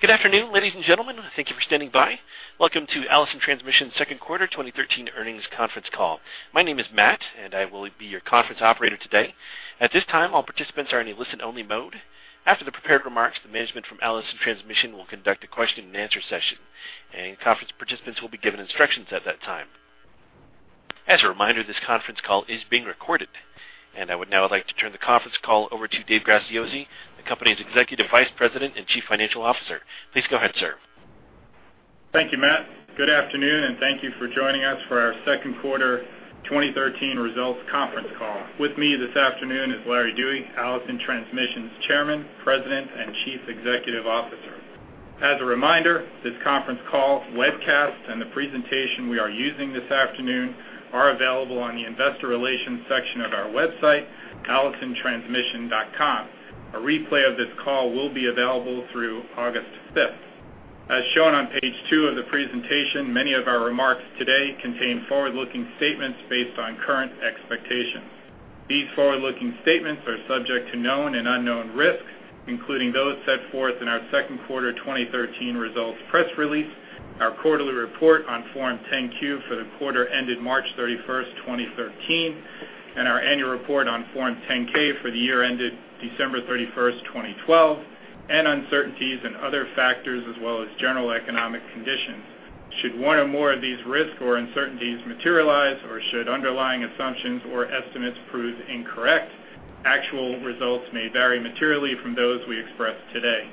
Good afternoon, ladies and gentlemen. Thank you for standing by. Welcome to Allison Transmission's Second Quarter 2013 Earnings Conference Call. My name is Matt, and I will be your conference operator today. At this time, all participants are in a listen-only mode. After the prepared remarks, the management from Allison Transmission will conduct a question-and-answer session, and conference participants will be given instructions at that time. As a reminder, this conference call is being recorded. I would now like to turn the conference call over to Dave Graziosi, the company's Executive Vice President and Chief Financial Officer. Please go ahead, sir. Thank you, Matt. Good afternoon, and thank you for joining us for our Second Quarter 2013 Results Conference Call. With me this afternoon is Larry Dewey, Allison Transmission's Chairman, President, and Chief Executive Officer. As a reminder, this conference call, webcast, and the presentation we are using this afternoon are available on the Investor Relations section of our website, allisontransmission.com. A replay of this call will be available through August 5. As shown on page 2 of the presentation, many of our remarks today contain forward-looking statements based on current expectations. These forward-looking statements are subject to known and unknown risks, including those set forth in our Second Quarter 2013 results press release, our quarterly report on Form 10-Q for the quarter ended March 31, 2013, and our annual report on Form 10-K for the year ended December 31, 2012, and uncertainties and other factors, as well as general economic conditions. Should one or more of these risks or uncertainties materialize, or should underlying assumptions or estimates prove incorrect, actual results may vary materially from those we express today.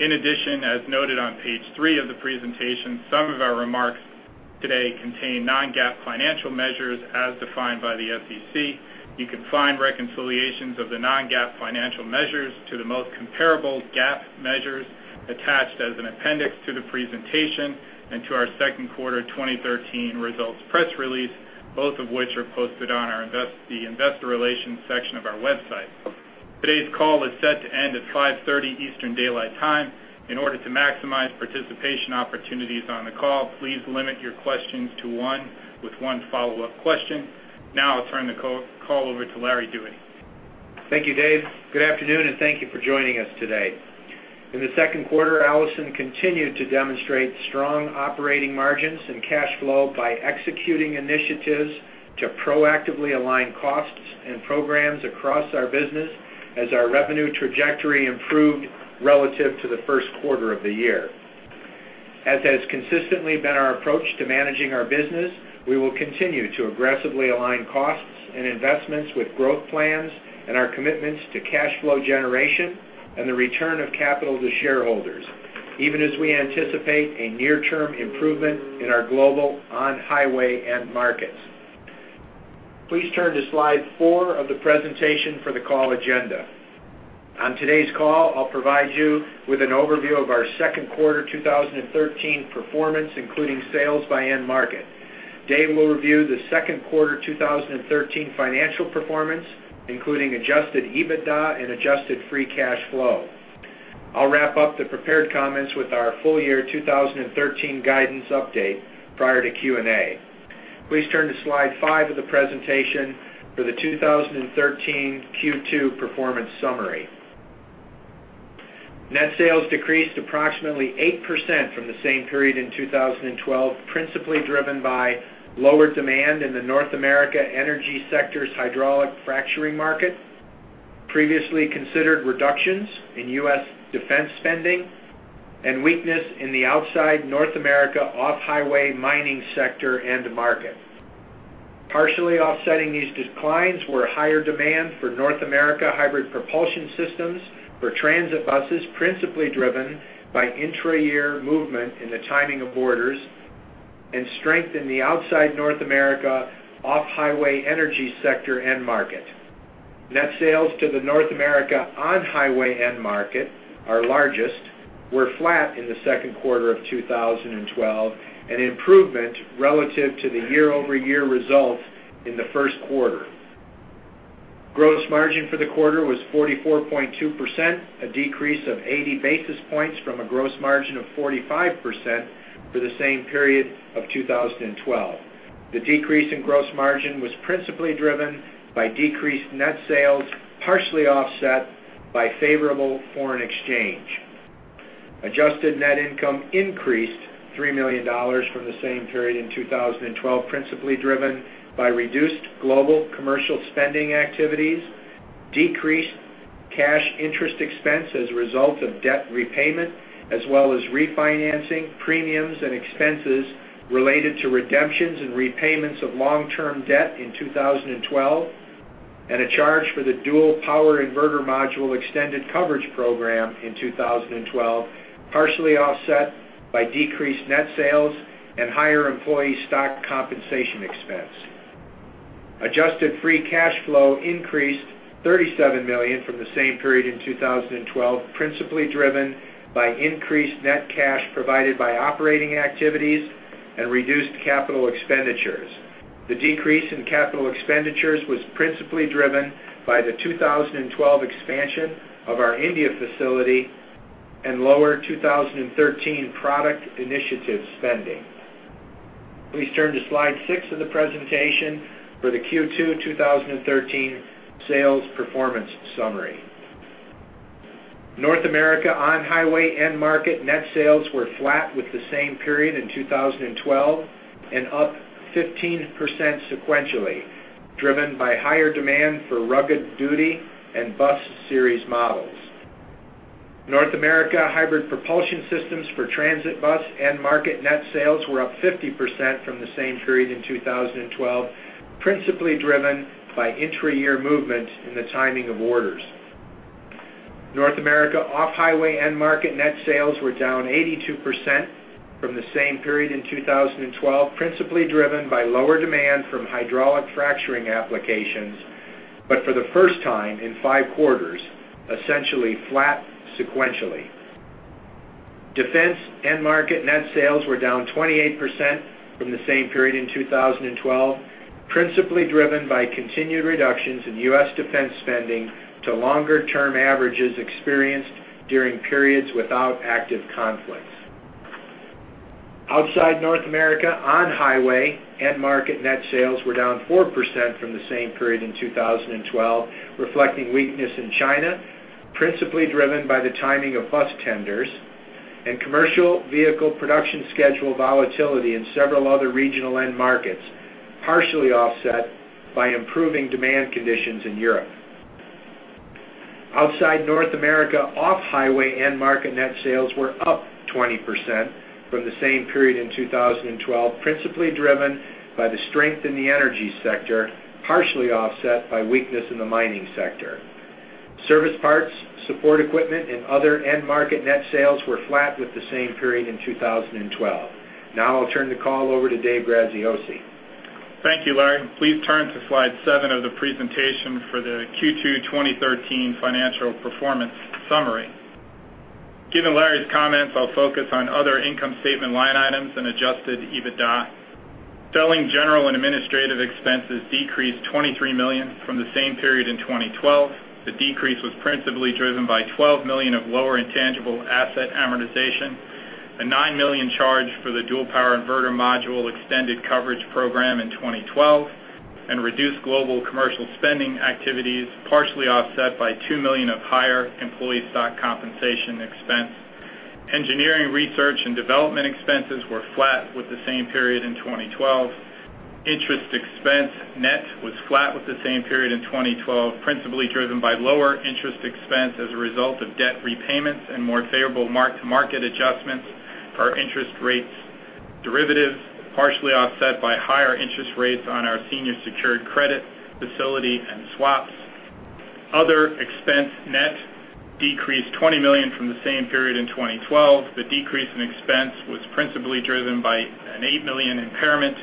In addition, as noted on page 3 of the presentation, some of our remarks today contain non-GAAP financial measures as defined by the SEC. You can find reconciliations of the non-GAAP financial measures to the most comparable GAAP measures attached as an appendix to the presentation and to our Second Quarter 2013 results press release, both of which are posted on our Investor Relations section of our website. Today's call is set to end at 5:30 Eastern Daylight Time. In order to maximize participation opportunities on the call, please limit your questions to one with one follow-up question. Now I'll turn the call over to Larry Dewey. Thank you, Dave. Good afternoon, and thank you for joining us today. In the Second Quarter, Allison continued to demonstrate strong operating margins and cash flow by executing initiatives to proactively align costs and programs across our business as our revenue trajectory improved relative to the first quarter of the year. As has consistently been our approach to managing our business, we will continue to aggressively align costs and investments with growth plans and our commitments to cash flow generation and the return of capital to shareholders, even as we anticipate a near-term improvement in our global on-highway end markets. Please turn to slide 4 of the presentation for the call agenda. On today's call, I'll provide you with an overview of our Second Quarter 2013 performance, including sales by end market. Dave will review the Second Quarter 2013 financial performance, including adjusted EBITDA and adjusted free cash flow. I'll wrap up the prepared comments with our full year 2013 guidance update prior to Q&A. Please turn to slide 5 of the presentation for the 2013 Q2 performance summary. Net sales decreased approximately 8% from the same period in 2012, principally driven by lower demand in the North America energy sector's hydraulic fracturing market, previously considered reductions in U.S. defense spending, and weakness in the outside North America off-highway mining sector end market. Partially offsetting these declines were higher demand for North America hybrid propulsion systems for transit buses, principally driven by intra-year movement in the timing of orders and strength in the outside North America off-highway energy sector end market. Net sales to the North America on-highway end market, our largest, were flat in the Second Quarter of 2012, an improvement relative to the YoY results in the first quarter. Gross margin for the quarter was 44.2%, a decrease of 80 basis points from a gross margin of 45% for the same period of 2012. The decrease in gross margin was principally driven by decreased net sales, partially offset by favorable foreign exchange. Adjusted net income increased $3 million from the same period in 2012, principally driven by reduced global commercial spending activities, decreased cash interest expense as a result of debt repayment, as well as refinancing premiums and expenses related to redemptions and repayments of long-term debt in 2012, and a charge for the Dual Power Inverter Module extended coverage program in 2012, partially offset by decreased net sales and higher employee stock compensation expense. Adjusted Free Cash Flow increased $37 million from the same period in 2012, principally driven by increased net cash provided by operating activities and reduced capital expenditures. The decrease in capital expenditures was principally driven by the 2012 expansion of our India facility and lower 2013 product initiative spending. Please turn to Slide 6 of the presentation for the Q2 2013 sales performance summary. North America on-highway end market net sales were flat with the same period in 2012 and up 15% sequentially, driven by higher demand for rugged duty and bus series models. North America hybrid propulsion systems for transit bus end market net sales were up 50% from the same period in 2012, principally driven by intra-year movement in the timing of orders. North America off-highway end market net sales were down 82% from the same period in 2012, principally driven by lower demand from hydraulic fracturing applications, but for the first time in five quarters, essentially flat sequentially. Defense end market net sales were down 28% from the same period in 2012, principally driven by continued reductions in U.S. defense spending to longer-term averages experienced during periods without active conflicts. Outside North America, on-highway end market net sales were down 4% from the same period in 2012, reflecting weakness in China, principally driven by the timing of bus tenders and commercial vehicle production schedule volatility in several other regional end markets, partially offset by improving demand conditions in Europe. Outside North America, off-highway end market net sales were up 20% from the same period in 2012, principally driven by the strength in the energy sector, partially offset by weakness in the mining sector. Service parts, support equipment, and other end market net sales were flat with the same period in 2012. Now I'll turn the call over to Dave Graziosi. Thank you, Larry. Please turn to Slide 7 of the presentation for the Q2 2013 financial performance summary. Given Larry's comments, I'll focus on other income statement line items and Adjusted EBITDA. Selling, general, and administrative expenses decreased $23 million from the same period in 2012. The decrease was principally driven by $12 million of lower intangible asset amortization, a $9 million charge for the Dual Power Inverter Module extended coverage program in 2012, and reduced global commercial spending activities, partially offset by $2 million of higher employee stock compensation expense. Engineering, research, and development expenses were flat with the same period in 2012. Interest expense net was flat with the same period in 2012, principally driven by lower interest expense as a result of debt repayments and more favorable mark-to-market adjustments for our interest rates derivatives, partially offset by higher interest rates on our senior secured credit facility and swaps. Other expense net decreased $20 million from the same period in 2012. The decrease in expense was principally driven by an $8 million impairment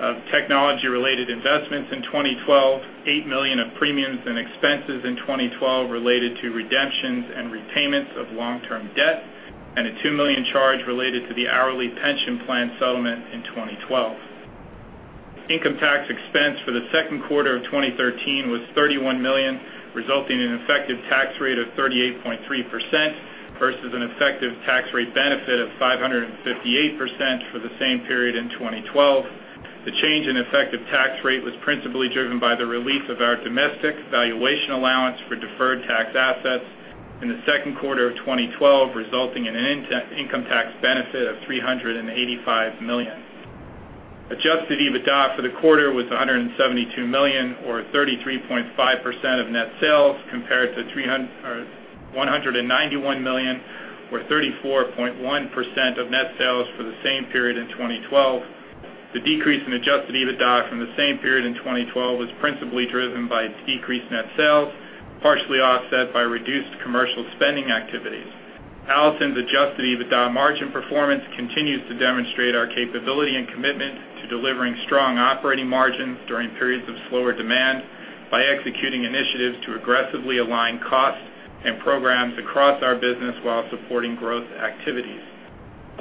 of technology-related investments in 2012, $8 million of premiums and expenses in 2012 related to redemptions and repayments of long-term debt, and a $2 million charge related to the hourly pension plan settlement in 2012. Income tax expense for the Second Quarter of 2013 was $31 million, resulting in an effective tax rate of 38.3% versus an effective tax rate benefit of 558% for the same period in 2012. The change in effective tax rate was principally driven by the release of our domestic valuation allowance for deferred tax assets in the Second Quarter of 2012, resulting in an income tax benefit of $385 million. Adjusted EBITDA for the quarter was $172 million, or 33.5% of net sales, compared to or $191 million, or 34.1% of net sales for the same period in 2012. The decrease in adjusted EBITDA from the same period in 2012 was principally driven by decreased net sales, partially offset by reduced commercial spending activities. Allison's adjusted EBITDA margin performance continues to demonstrate our capability and commitment to delivering strong operating margins during periods of slower demand by executing initiatives to aggressively align costs and programs across our business while supporting growth activities.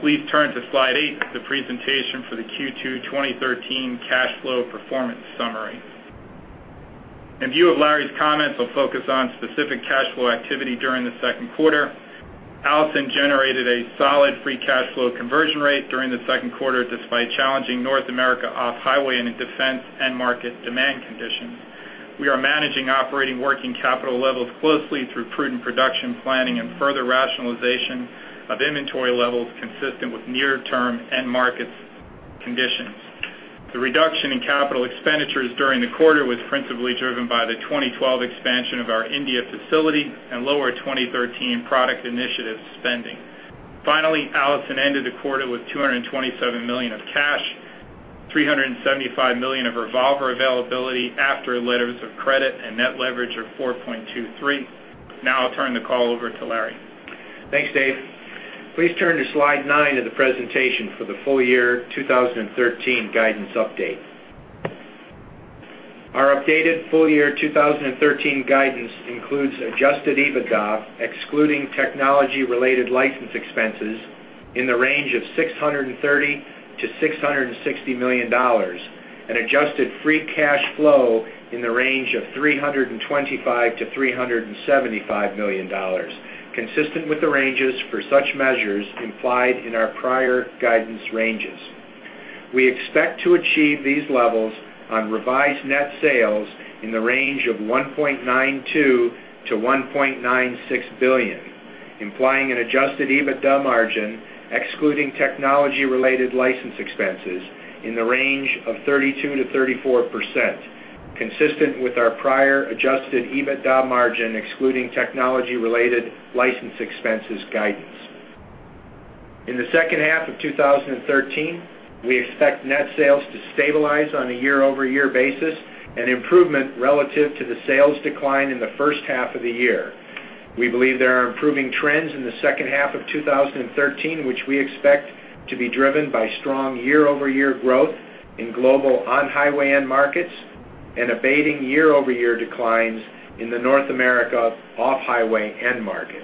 Please turn to Slide 8 of the presentation for the Q2 2013 cash flow performance summary. In view of Larry's comments, I'll focus on specific cash flow activity during the Second Quarter. Allison generated a solid free cash flow conversion rate during the Second Quarter, despite challenging North America off-highway and defense end market demand conditions. We are managing operating working capital levels closely through prudent production planning and further rationalization of inventory levels consistent with near-term end markets conditions. The reduction in capital expenditures during the quarter was principally driven by the 2012 expansion of our India facility and lower 2013 product initiative spending. Finally, Allison ended the quarter with $227 million of cash, $375 million of revolver availability after letters of credit, and net leverage of 4.23. Now I'll turn the call over to Larry. Thanks, Dave. Please turn to Slide 9 of the presentation for the full year 2013 guidance update. Our updated full year 2013 guidance includes Adjusted EBITDA, excluding technology-related license expenses, in the range of $630 million-$660 million and Adjusted Free Cash Flow in the range of $325 million-$375 million, consistent with the ranges for such measures implied in our prior guidance ranges. We expect to achieve these levels on revised net sales in the range of $1.92 billion-$1.96 billion, implying an Adjusted EBITDA margin, excluding technology-related license expenses, in the range of 32%-34%, consistent with our prior Adjusted EBITDA margin, excluding technology-related license expenses guidance. In the second half of 2013, we expect net sales to stabilize on a YoY basis and improvement relative to the sales decline in the first half of the year. We believe there are improving trends in the second half of 2013, which we expect to be driven by strong YoY growth in global on-highway end markets and abating YoY declines in the North America off-highway end market.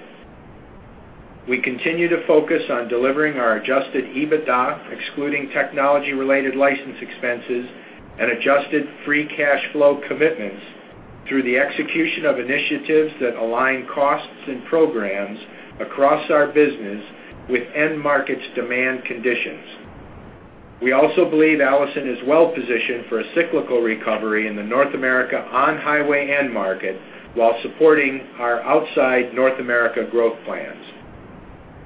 We continue to focus on delivering our Adjusted EBITDA, excluding technology-related license expenses and Adjusted Free Cash Flow commitments through the execution of initiatives that align costs and programs across our business with end markets demand conditions. We also believe Allison is well positioned for a cyclical recovery in the North America on-highway end market while supporting our outside North America growth plans.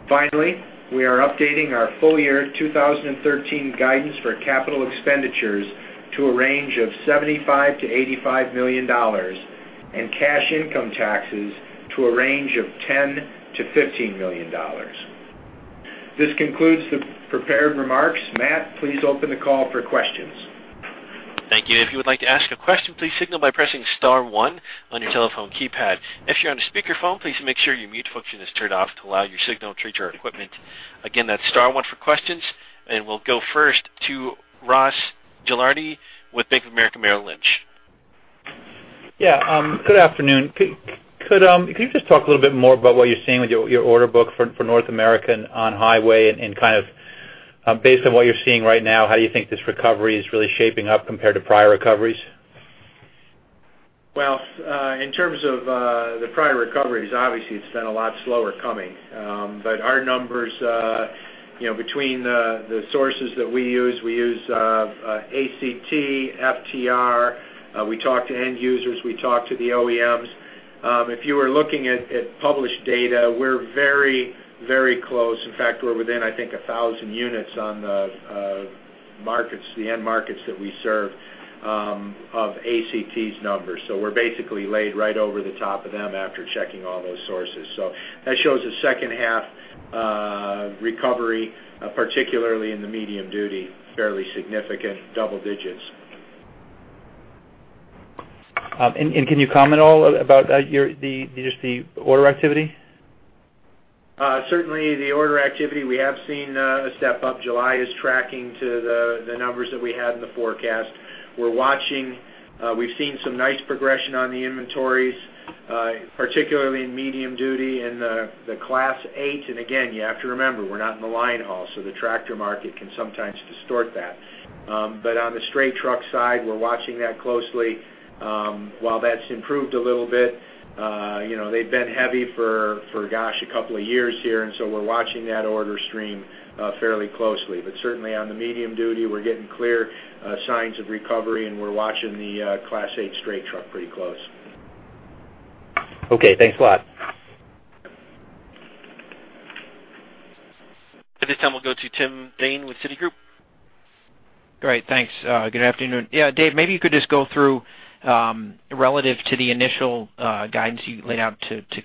Finally, we are updating our full year 2013 guidance for capital expenditures to a range of $75 million-$85 million and cash income taxes to a range of $10 million-$15 million. This concludes the prepared remarks. Matt, please open the call for questions. Thank you. If you would like to ask a question, please signal by pressing star one on your telephone keypad. If you're on a speakerphone, please make sure your mute function is turned off to allow your signal to reach our equipment. Again, that's star one for questions, and we'll go first to Ross Gilardi with Bank of America Merrill Lynch. Yeah, good afternoon. Could you just talk a little bit more about what you're seeing with your order book for North American on highway? And kind of based on what you're seeing right now, how do you think this recovery is really shaping up compared to prior recoveries? Well, in terms of the prior recoveries, obviously, it's been a lot slower coming. But our numbers, you know, between the sources that we use, we use ACT, FTR, we talk to end users, we talk to the OEMs. If you were looking at published data, we're very, very close. In fact, we're within, I think, 1,000 units on the markets, the end markets that we serve, of ACT's numbers. So we're basically laid right over the top of them after checking all those sources. So that shows a second half recovery, particularly in the medium duty, fairly significant double digits. Can you comment all about the just order activity? Certainly, the order activity we have seen a step up. July is tracking to the numbers that we had in the forecast. We're watching; we've seen some nice progression on the inventories, particularly in medium duty and the Class Eight. And again, you have to remember, we're not in the line haul, so the tractor market can sometimes distort that. But on the straight truck side, we're watching that closely. While that's improved a little bit, you know, they've been heavy for a couple of years here, and so we're watching that order stream fairly closely. But certainly on the medium duty, we're getting clear signs of recovery, and we're watching the Class Eight straight truck pretty close. Okay, thanks a lot. At this time, we'll go to Tim Thein with Citigroup. Great, thanks. Good afternoon. Yeah, Dave, maybe you could just go through, relative to the initial guidance you laid out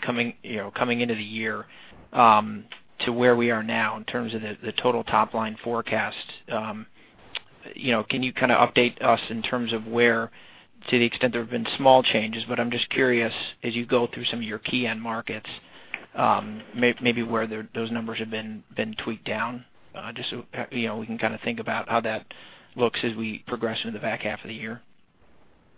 coming into the year, you know, to where we are now in terms of the total top-line forecast. You know, can you kind of update us in terms of where, to the extent there have been small changes, but I'm just curious, as you go through some of your key end markets, maybe where those numbers have been tweaked down, just so, you know, we can kind of think about how that looks as we progress into the back half of the year.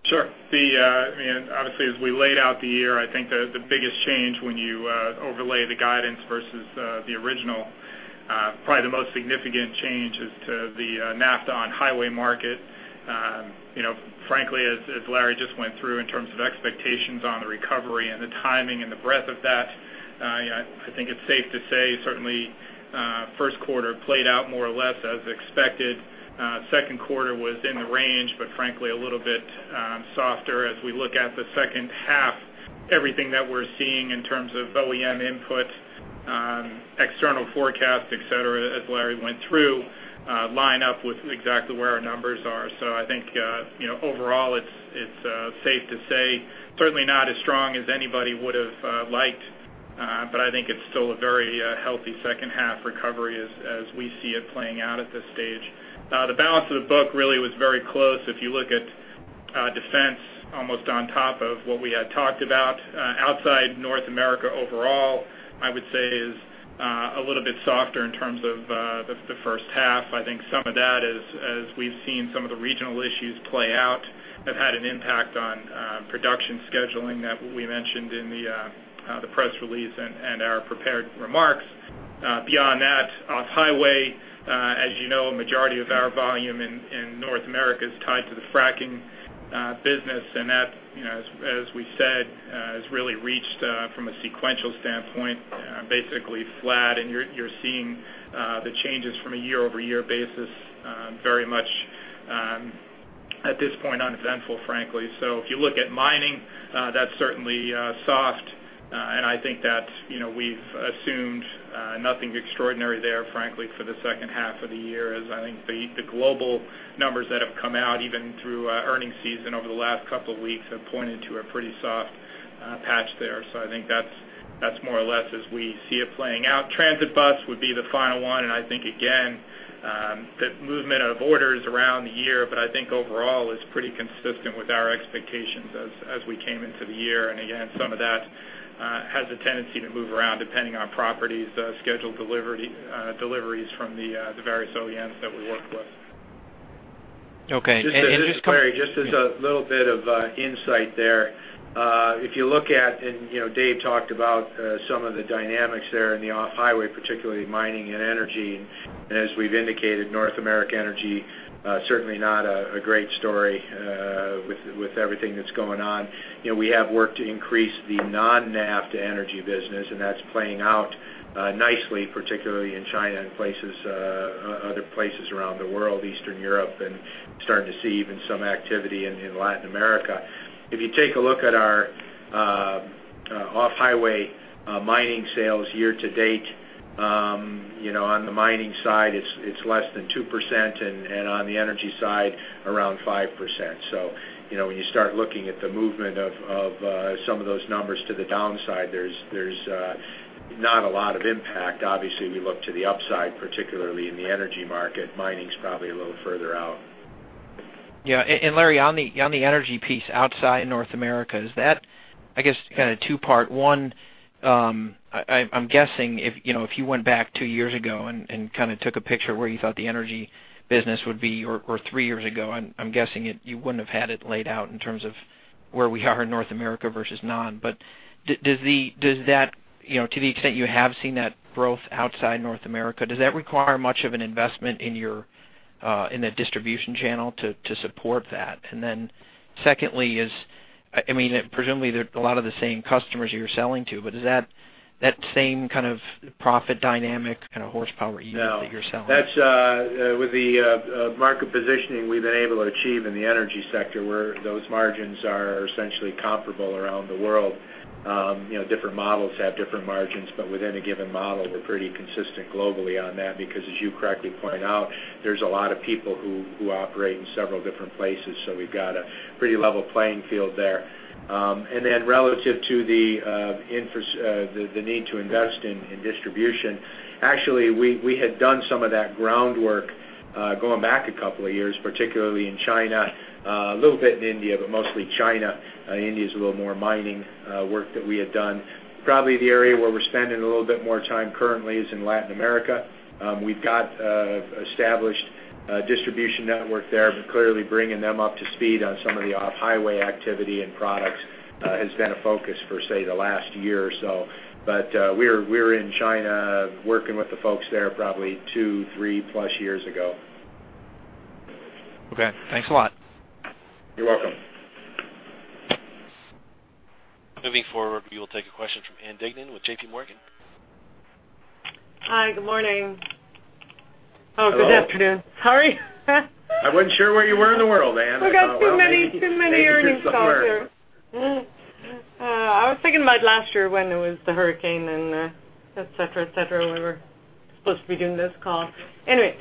Sure. I mean, obviously, as we laid out the year, I think the biggest change when you overlay the guidance versus the original, probably the most significant change is to the NAFTA on-highway market. You know, frankly, as Larry just went through in terms of expectations on the recovery and the timing and the breadth of that, you know, I think it's safe to say, certainly, first quarter played out more or less as expected. Second Quarter was in the range, but frankly, a little bit softer. As we look at the second half, everything that we're seeing in terms of OEM input, external forecast, et cetera, as Larry went through, line up with exactly where our numbers are. So I think, you know, overall, it's, it's, safe to say, certainly not as strong as anybody would've liked, but I think it's still a very healthy second half recovery as, as we see it playing out at this stage. The balance of the book really was very close. If you look at, Defense, almost on top of what we had talked about. Outside North America overall, I would say is a little bit softer in terms of, the, the first half. I think some of that is, as we've seen some of the regional issues play out, have had an impact on production scheduling that we mentioned in the, the press release and, and our prepared remarks. Beyond that, off-highway, as you know, a majority of our volume in North America is tied to the fracking business, and that, you know, as we said, has really reached from a sequential standpoint basically flat. And you're seeing the changes from a YoY basis very much.... at this point, uneventful, frankly. So if you look at mining, that's certainly soft, and I think that, you know, we've assumed nothing extraordinary there, frankly, for the second half of the year, as I think the global numbers that have come out, even through earnings season over the last couple of weeks, have pointed to a pretty soft patch there. So I think that's more or less as we see it playing out. Transit bus would be the final one, and I think, again, the movement of orders around the year, but I think overall is pretty consistent with our expectations as we came into the year. And again, some of that has a tendency to move around, depending on properties scheduled delivery deliveries from the various OEMs that we work with. Okay, and just- This is Larry. Just as a little bit of insight there, if you look at, and, you know, Dave talked about some of the dynamics there in the off-highway, particularly mining and energy. And as we've indicated, North America Energy certainly not a great story with everything that's going on. You know, we have worked to increase the non-NAFTA energy business, and that's playing out nicely, particularly in China and places other places around the world, Eastern Europe, and starting to see even some activity in Latin America. If you take a look at our off-highway mining sales year to date, you know, on the mining side, it's less than 2%, and on the energy side, around 5%. So, you know, when you start looking at the movement of some of those numbers to the downside, there's not a lot of impact. Obviously, we look to the upside, particularly in the energy market. Mining's probably a little further out. Yeah. And Larry, on the energy piece outside North America, is that, I guess, kind of two-part. One, I'm guessing if, you know, if you went back two years ago and kind of took a picture of where you thought the energy business would be or three years ago, I'm guessing it you wouldn't have had it laid out in terms of where we are in North America versus non. But does that, you know, to the extent you have seen that growth outside North America, does that require much of an investment in your in the distribution channel to support that? And then, secondly, is I mean, presumably, they're a lot of the same customers you're selling to, but is that that same kind of profit dynamic, kind of horsepower unit that you're selling? No. That's with the market positioning we've been able to achieve in the energy sector, where those margins are essentially comparable around the world. You know, different models have different margins, but within a given model, we're pretty consistent globally on that because, as you correctly point out, there's a lot of people who operate in several different places, so we've got a pretty level playing field there. And then relative to the need to invest in distribution, actually, we had done some of that groundwork going back a couple of years, particularly in China, a little bit in India, but mostly China. India is a little more mining work that we had done. Probably the area where we're spending a little bit more time currently is in Latin America. We've got established distribution network there, but clearly bringing them up to speed on some of the off-highway activity and products has been a focus for, say, the last year or so. But we're in China, working with the folks there probably 2, 3 plus years ago. Okay, thanks a lot. You're welcome. Moving forward, we will take a question from Ann Duignan with J.P. Morgan. Hi, good morning. Hello. Oh, good afternoon. Sorry! I wasn't sure where you were in the world, Ann. We've got too many, too many earnings calls here. But you're somewhere. I was thinking about last year when it was the hurricane and et cetera, et cetera, we were supposed to be doing this call. Anyway,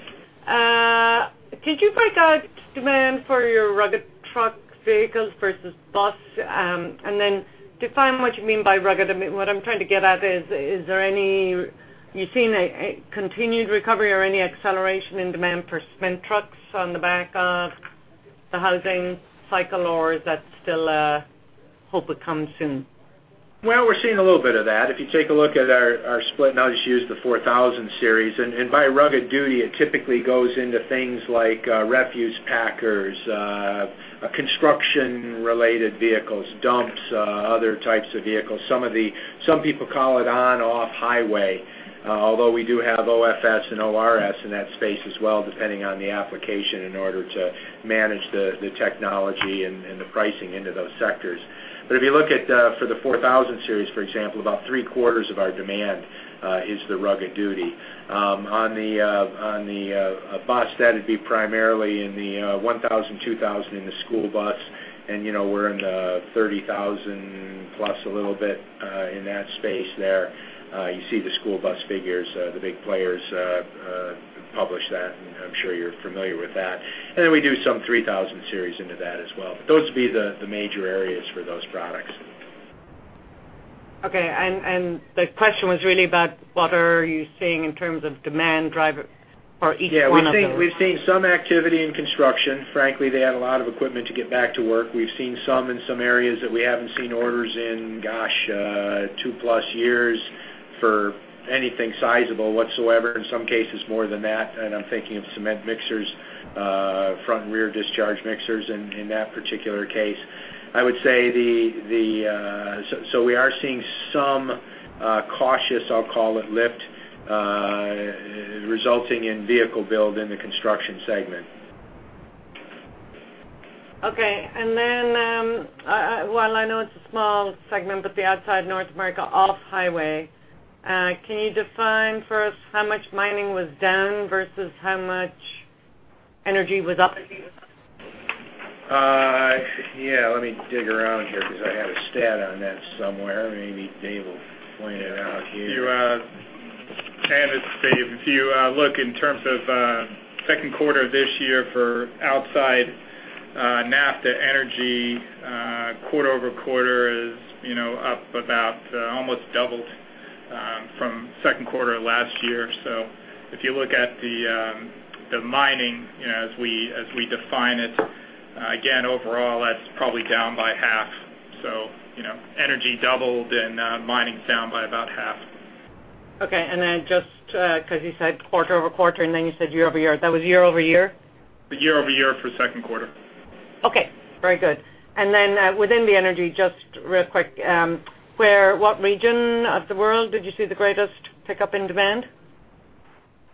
could you break out demand for your rugged truck vehicles versus bus? And then define what you mean by rugged. I mean, what I'm trying to get at is, is there any, you've seen a continued recovery or any acceleration in demand for cement trucks on the back of the housing cycle, or is that still hope it comes soon? Well, we're seeing a little bit of that. If you take a look at our split, and I'll just use the 4000 Series, and by rugged duty, it typically goes into things like refuse packers, construction-related vehicles, dumps, other types of vehicles. Some people call it on/off-highway, although we do have OFS and ORS in that space as well, depending on the application, in order to manage the technology and the pricing into those sectors. But if you look at, for the 4000 Series, for example, about three-quarters of our demand is the rugged duty. On the bus, that'd be primarily in the 1000, 2000 in the school bus, and, you know, we're in the 30,000 plus a little bit in that space there. You see the school bus figures, the big players publish that, and I'm sure you're familiar with that. And then we do some 3000 Series into that as well. Those would be the major areas for those products. Okay, and the question was really about what are you seeing in terms of demand driver for each one of them? Yeah, we've seen, we've seen some activity in construction. Frankly, they had a lot of equipment to get back to work. We've seen some in some areas that we haven't seen orders in, gosh, 2+ years for anything sizable whatsoever, in some cases more than that, and I'm thinking of cement mixers, front and rear discharge mixers in, in that particular case. I would say, so we are seeing some, cautious, I'll call it, lift, resulting in vehicle build in the construction segment. Okay. And then, well, I know it's a small segment, but outside North America, off-highway... Can you define for us how much mining was down versus how much energy was up? Yeah, let me dig around here because I had a stat on that somewhere. Maybe Dave will point it out here. You and it's Dave. If you look in terms of Second Quarter this year for outside NAFTA, energy, QoQ is, you know, up about almost doubled from Second Quarter last year. So if you look at the mining, you know, as we define it, again, overall, that's probably down by half. So, you know, energy doubled and mining's down by about half. Okay, and then just, because you said QoQ, and then you said YoY, that was YoY? YoY for Second Quarter. Okay, very good. And then, within the energy, just real quick, what region of the world did you see the greatest pickup in demand?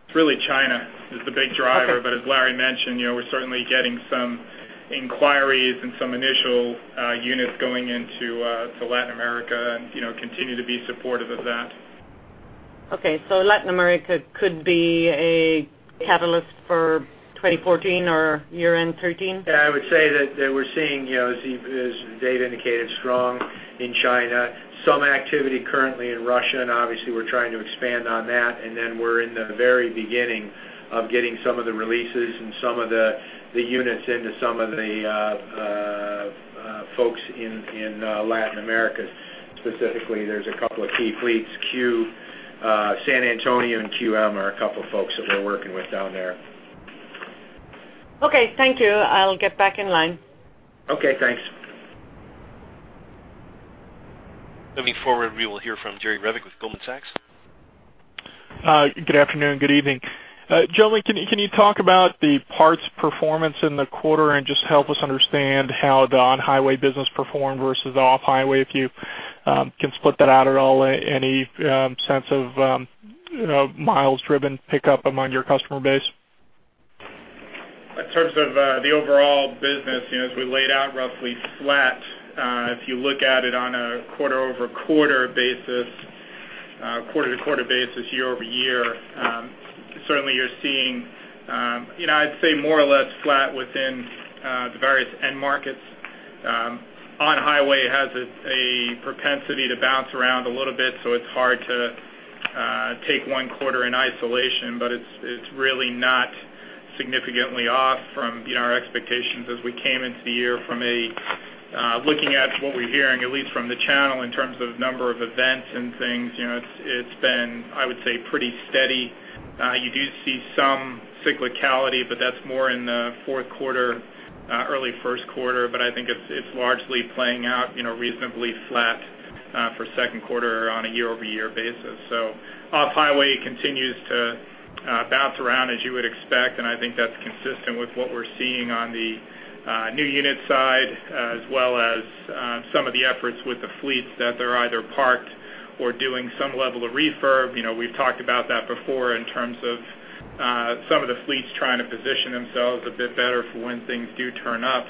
It's really China, is the big driver. Okay. But as Larry mentioned, you know, we're certainly getting some inquiries and some initial units going into Latin America and, you know, continue to be supportive of that. Okay, so Latin America could be a catalyst for 2014 or year-end 2013? Yeah, I would say that, that we're seeing, you know, as you-- as Dave indicated, strong in China. Some activity currently in Russia, and obviously, we're trying to expand on that, and then we're in the very beginning of getting some of the releases and some of the, the units into some of the, folks in, in, Latin America. Specifically, there's a couple of key fleets, Q, San Antonio, and QM are a couple of folks that we're working with down there. Okay, thank you. I'll get back in line. Okay, thanks. Moving forward, we will hear from Jerry Revich with Goldman Sachs. Good afternoon, good evening. Gentlemen, can you talk about the parts performance in the quarter and just help us understand how the on-highway business performed versus off-highway, if you can split that out at all? Any sense of, you know, miles driven pickup among your customer base? In terms of the overall business, you know, as we laid out, roughly flat. If you look at it on a QoQ basis, quarter-to-quarter basis, YoY, certainly you're seeing, you know, I'd say more or less flat within the various end markets. On-highway has a propensity to bounce around a little bit, so it's hard to take one quarter in isolation, but it's really not significantly off from, you know, our expectations as we came into the year from a looking at what we're hearing, at least from the channel, in terms of number of events and things, you know, it's been, I would say, pretty steady. You do see some cyclicality, but that's more in the fourth quarter, early first quarter, but I think it's largely playing out, you know, reasonably flat, for Second Quarter on a YoY basis. So off-highway continues to bounce around as you would expect, and I think that's consistent with what we're seeing on the new unit side, as well as some of the efforts with the fleets that they're either parked or doing some level of refurb. You know, we've talked about that before in terms of some of the fleets trying to position themselves a bit better for when things do turn up.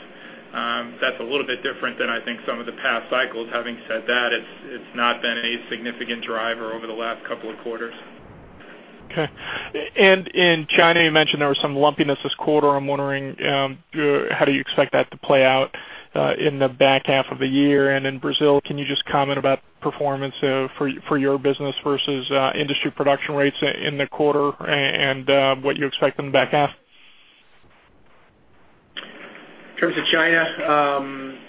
That's a little bit different than I think some of the past cycles. Having said that, it's not been a significant driver over the last couple of quarters. Okay. And in China, you mentioned there was some lumpiness this quarter. I'm wondering, how do you expect that to play out, in the back half of the year? And in Brazil, can you just comment about performance, for your business versus industry production rates in the quarter and what you expect in the back half? In terms of China,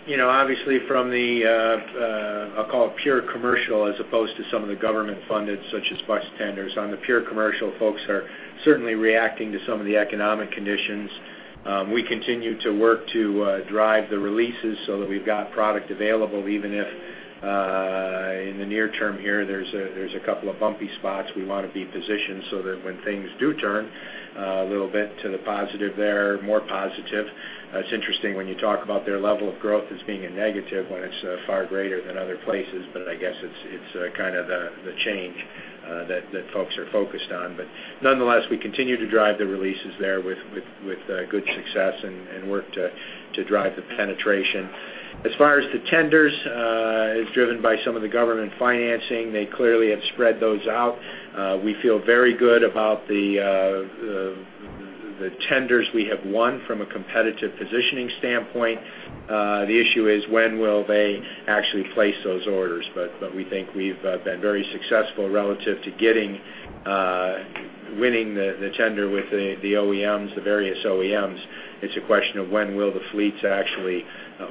you know, obviously from the, I'll call it pure commercial, as opposed to some of the government-funded, such as bus tenders. On the pure commercial, folks are certainly reacting to some of the economic conditions. We continue to work to drive the releases so that we've got product available, even if in the near term here, there's a couple of bumpy spots, we want to be positioned so that when things do turn a little bit to the positive there, more positive. It's interesting when you talk about their level of growth as being a negative, when it's far greater than other places, but I guess it's kind of the change that folks are focused on. But nonetheless, we continue to drive the releases there with good success and work to drive the penetration. As far as the tenders, it's driven by some of the government financing. They clearly have spread those out. We feel very good about the tenders we have won from a competitive positioning standpoint. The issue is, when will they actually place those orders? But we think we've been very successful relative to winning the tender with the OEMs, the various OEMs. It's a question of when will the fleets actually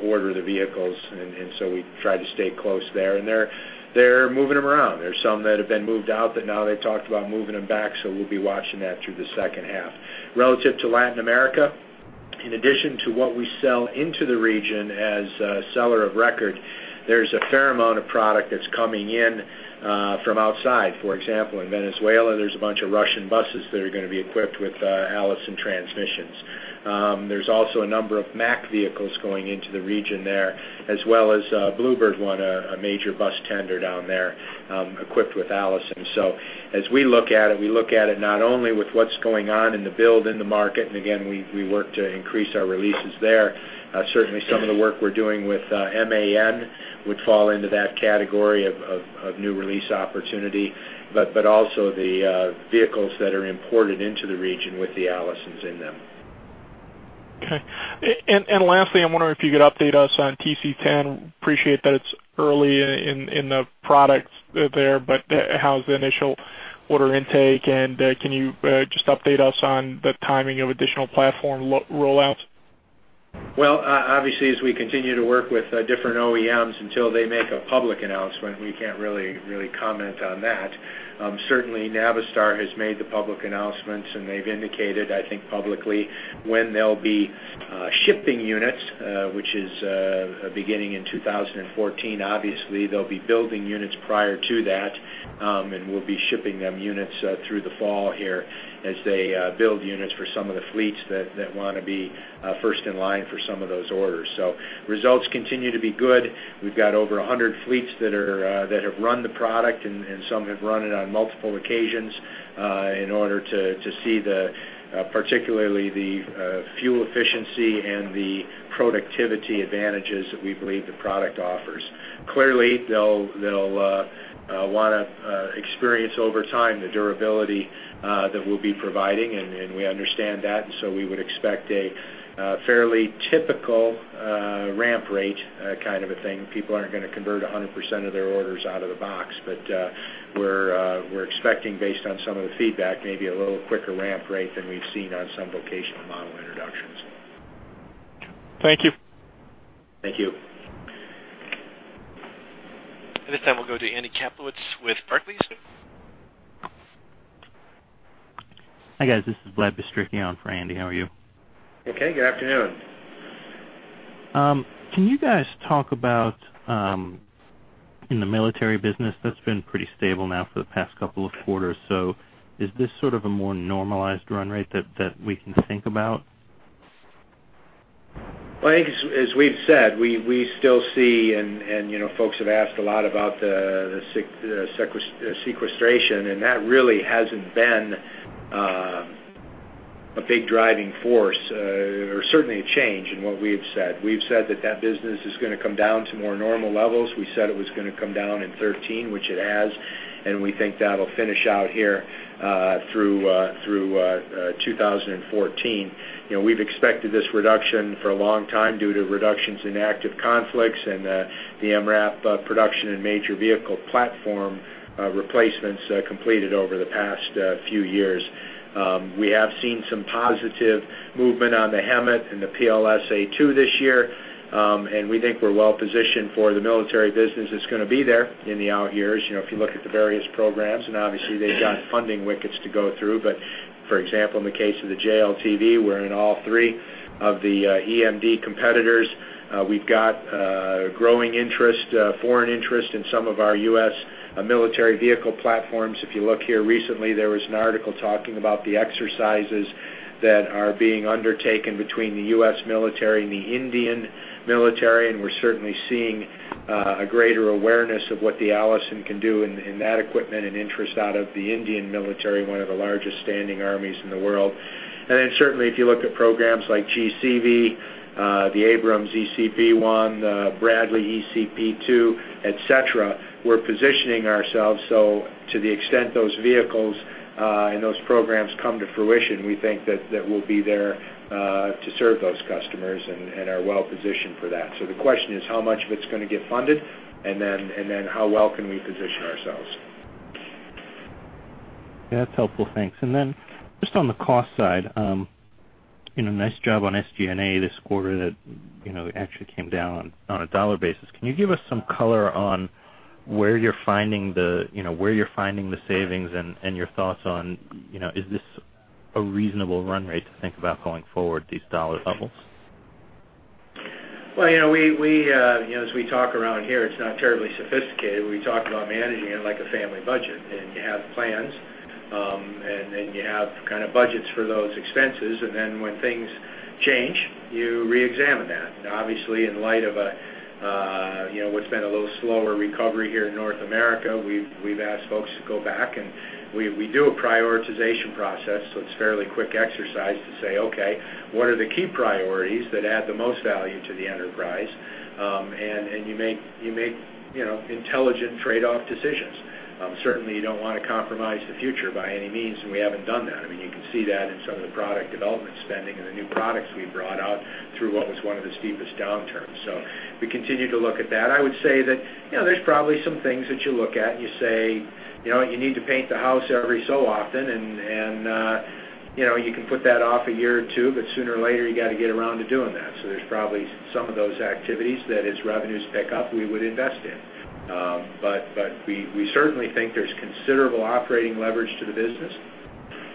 order the vehicles, and so we try to stay close there. And they're moving them around. There's some that have been moved out, but now they've talked about moving them back, so we'll be watching that through the second half. Relative to Latin America, in addition to what we sell into the region as a seller of record, there's a fair amount of product that's coming in from outside. For example, in Venezuela, there's a bunch of Russian buses that are going to be equipped with Allison transmissions. There's also a number of Mack vehicles going into the region there, as well as Blue Bird won a major bus tender down there, equipped with Allison. So as we look at it, we look at it not only with what's going on in the build in the market, and again, we work to increase our releases there. Certainly, some of the work we're doing with MAN would fall into that category of new release opportunity, but also the vehicles that are imported into the region with the Allisons in them. Okay. And lastly, I'm wondering if you could update us on TC-10. Appreciate that it's early in the product there, but how's the initial order intake? And can you just update us on the timing of additional platform rollouts? Well, obviously, as we continue to work with different OEMs, until they make a public announcement, we can't really, really comment on that. Certainly, Navistar has made the public announcements, and they've indicated, I think, publicly, when they'll be shipping units, which is beginning in 2014. Obviously, they'll be building units prior to that, and we'll be shipping them units through the fall here as they build units for some of the fleets that wanna be first in line for some of those orders. So results continue to be good. We've got over 100 fleets that have run the product, and some have run it on multiple occasions in order to see particularly the fuel efficiency and the productivity advantages that we believe the product offers. Clearly, they'll wanna experience over time the durability that we'll be providing, and we understand that. So we would expect a fairly typical ramp rate kind of a thing. People aren't gonna convert 100% of their orders out of the box, but we're expecting, based on some of the feedback, maybe a little quicker ramp rate than we've seen on some vocational model introductions. Thank you. Thank you. This time, we'll go to Andy Kaplowitz with Barclays, sir. Hi, guys. This is Vlad Beschrikyon for Andy. How are you? Okay, good afternoon. Can you guys talk about in the military business that's been pretty stable now for the past couple of quarters? So is this sort of a more normalized run rate that we can think about? Well, I think as we've said, we still see, and you know, folks have asked a lot about the sequestration, and that really hasn't been a big driving force, or certainly a change in what we've said. We've said that that business is gonna come down to more normal levels. We said it was gonna come down in 2013, which it has, and we think that'll finish out here through 2014. You know, we've expected this reduction for a long time due to reductions in active conflicts and the MRAP production and major vehicle platform replacements completed over the past few years. We have seen some positive movement on the HEMTT and the PLS A2 this year. And we think we're well positioned for the military business that's gonna be there in the out years. You know, if you look at the various programs, and obviously, they've got funding wickets to go through. But for example, in the case of the JLTV, we're in all three of the EMD competitors. We've got growing interest, foreign interest in some of our U.S. military vehicle platforms. If you look here recently, there was an article talking about the exercises that are being undertaken between the U.S. military and the Indian military, and we're certainly seeing a greater awareness of what the Allison can do in that equipment and interest out of the Indian military, one of the largest standing armies in the world. And then certainly, if you look at programs like GCV, the Abrams ECP 1, the Bradley ECP 2, et cetera, we're positioning ourselves. So to the extent those vehicles and those programs come to fruition, we think that, that we'll be there to serve those customers and are well positioned for that. So the question is, how much of it's gonna get funded? And then, and then how well can we position ourselves? That's helpful. Thanks. And then just on the cost side, you know, nice job on SG&A this quarter. That, you know, actually came down on a dollar basis. Can you give us some color on where you're finding the savings and your thoughts on, you know, is this a reasonable run rate to think about going forward, these dollar levels? Well, you know, we you know, as we talk around here, it's not terribly sophisticated. We talk about managing it like a family budget, and you have plans, and then you have kind of budgets for those expenses. And then when things change, you reexamine that. And obviously, in light of you know, what's been a little slower recovery here in North America, we've asked folks to go back, and we do a prioritization process, so it's a fairly quick exercise to say, okay, what are the key priorities that add the most value to the enterprise? And you make you know, intelligent trade-off decisions. Certainly, you don't want to compromise the future by any means, and we haven't done that. I mean, you can see that in some of the product development spending and the new products we've brought out through what was one of the steepest downturns. So we continue to look at that. I would say that, you know, there's probably some things that you look at and you say, you know, you need to paint the house every so often, and you know, you can put that off a year or two, but sooner or later, you gotta get around to doing that. So there's probably some of those activities that as revenues pick up, we would invest in. But we certainly think there's considerable operating leverage to the business.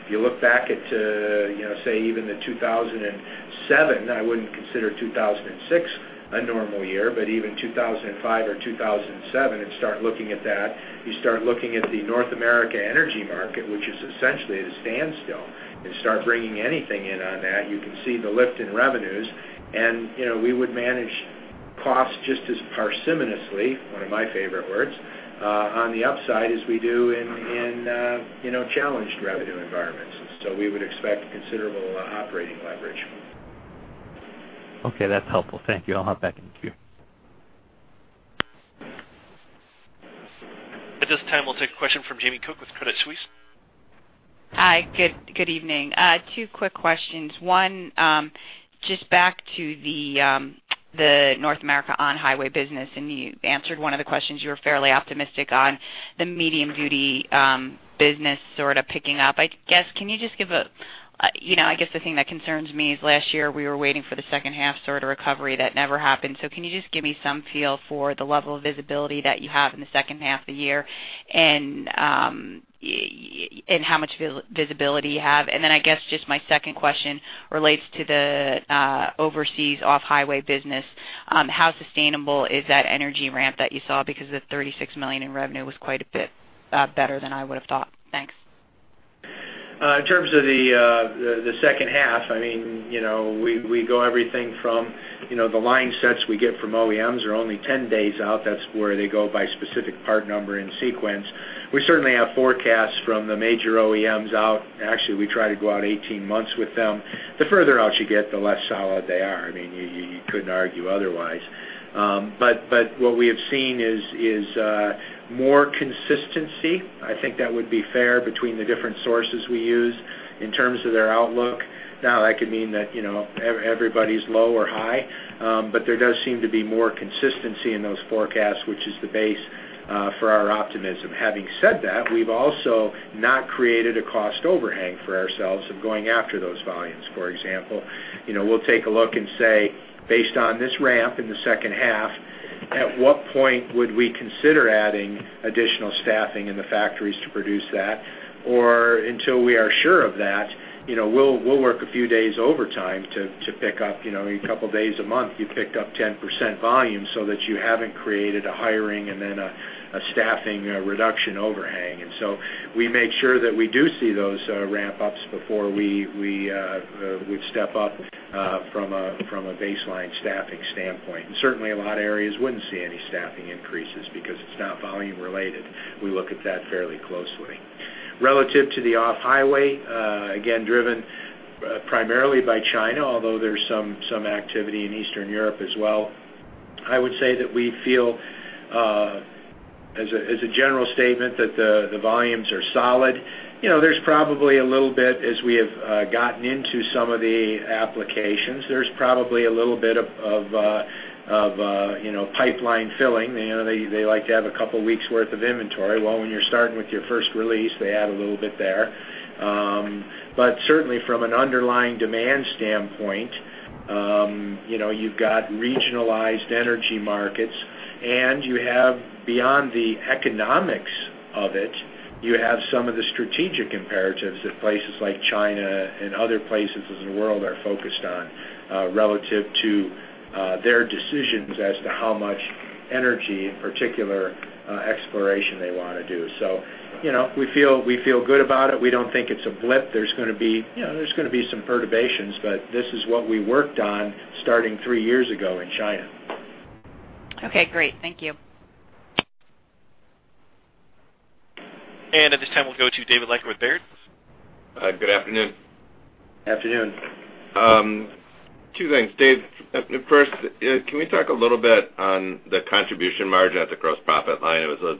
If you look back at, you know, say even the 2007, I wouldn't consider 2006 a normal year, but even 2005 or 2007, and start looking at that, you start looking at the North America energy market, which is essentially at a standstill, and start bringing anything in on that, you can see the lift in revenues. And, you know, we would manage costs just as parsimoniously, one of my favorite words, on the upside as we do in, you know, challenged revenue environments. And so we would expect considerable operating leverage. Okay, that's helpful. Thank you. I'll hop back in the queue. At this time, we'll take a question from Jamie Cook with Credit Suisse. Hi, good, good evening. Two quick questions. One, just back to the North America on-highway business, and you answered one of the questions. You were fairly optimistic on the medium-duty business sort of picking up. I guess, can you just give a, you know, I guess, the thing that concerns me is last year, we were waiting for the second half sort of recovery that never happened. So can you just give me some feel for the level of visibility that you have in the second half of the year, and and how much visibility you have? And then I guess, just my second question relates to the overseas off-highway business. How sustainable is that energy ramp that you saw? Because the $36 million in revenue was quite a bit better than I would have thought. Thanks. In terms of the second half, I mean, you know, we go everything from, you know, the line sets we get from OEMs are only 10 days out. That's where they go by specific part number and sequence. We certainly have forecasts from the major OEMs out. Actually, we try to go out 18 months with them. The further out you get, the less solid they are. I mean, you couldn't argue otherwise. But what we have seen is more consistency. I think that would be fair between the different sources we use in terms of their outlook. Now, that could mean that, you know, everybody's low or high, but there does seem to be more consistency in those forecasts, which is the base for our optimism. Having said that, we've also not created a cost overhang for ourselves of going after those volumes. For example, you know, we'll take a look and say, based on this ramp in the second half, at what point would we consider adding additional staffing in the factories to produce that? Or until we are sure of that, you know, we'll work a few days overtime to pick up, you know, a couple of days a month, you pick up 10% volume so that you haven't created a hiring and then a staffing, a reduction overhang. And so we make sure that we do see those ramp-ups before we step up from a baseline staffing standpoint. And certainly, a lot of areas wouldn't see any staffing increases because it's not volume-related. We look at that fairly closely. Relative to the off-highway, again, driven primarily by China, although there's some activity in Eastern Europe as well. I would say that we feel as a general statement that the volumes are solid. You know, there's probably a little bit as we have gotten into some of the applications, there's probably a little bit of pipeline filling. You know, they like to have a couple of weeks' worth of inventory. Well, when you're starting with your first release, they add a little bit there. But certainly from an underlying demand standpoint, you know, you've got regionalized energy markets, and you have beyond the economics of it, you have some of the strategic imperatives that places like China and other places in the world are focused on, relative to their decisions as to how much energy, in particular, exploration they want to do. So, you know, we feel, we feel good about it. We don't think it's a blip. There's gonna be, you know, there's gonna be some perturbations, but this is what we worked on starting three years ago in China. Okay, great. Thank you. At this time, we'll go to David Leiker with Baird. Good afternoon. Afternoon. Two things, Dave. First, can we talk a little bit on the contribution margin at the gross profit line? It was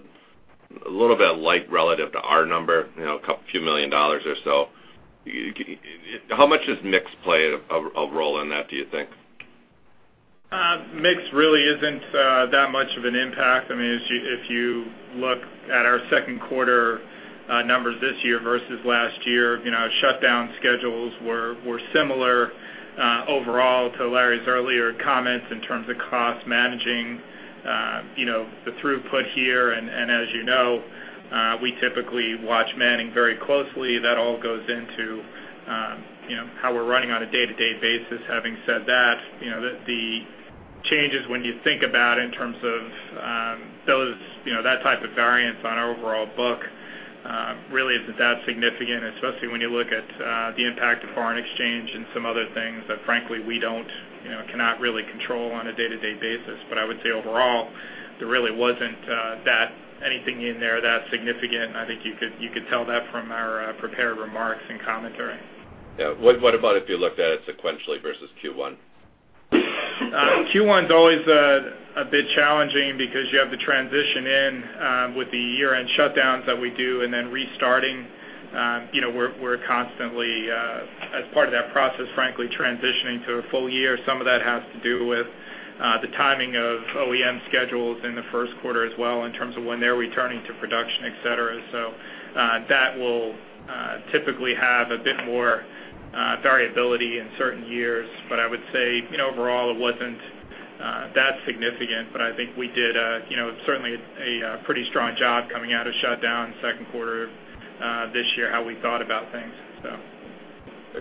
a little bit light relative to our number, you know, $ a couple, few million or so. How much does mix play a role in that, do you think? Mix really isn't that much of an impact. I mean, if you, if you look at our Second Quarter numbers this year versus last year, you know, our shutdown schedules were, were similar overall to Larry's earlier comments in terms of cost managing, you know, the throughput here. And as you know, we typically watch manning very closely. That all goes into, you know, how we're running on a day-to-day basis. Having said that, you know, the, the changes when you think about in terms of, those, you know, that type of variance on our overall book, really isn't that significant, especially when you look at the impact of foreign exchange and some other things that frankly, we don't, you know, cannot really control on a day-to-day basis. But I would say overall, there really wasn't that anything in there that significant. I think you could, you could tell that from our prepared remarks and commentary. Yeah. What, what about if you looked at it sequentially versus Q1? Q1's always a bit challenging because you have to transition in with the year-end shutdowns that we do, and then restarting, you know, we're constantly, as part of that process, frankly, transitioning to a full year. Some of that has to do with the timing of OEM schedules in the first quarter as well, in terms of when they're returning to production, et cetera. So, that will typically have a bit more variability in certain years. But I would say, you know, overall, it wasn't that significant, but I think we did a, you know, certainly a pretty strong job coming out of shutdown Second Quarter, this year, how we thought about things, so.